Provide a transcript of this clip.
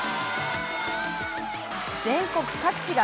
全国各地が